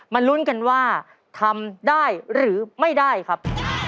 ลุ้นกันว่าทำได้หรือไม่ได้ครับ